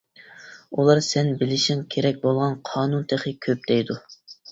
ئۇلار: «سەن بىلىشىڭ كېرەك بولغان قانۇن تېخى كۆپ» دەيدۇ.